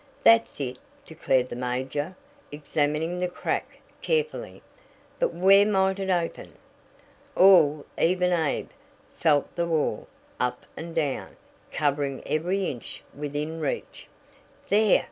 "That's it!" declared the major, examining the crack carefully. "But where might it open?" All, even old Abe, felt the wall, up and down, covering every inch within reach. "There!"